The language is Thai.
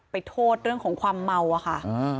ไปโทษเรื่องของความเมาอะค่ะ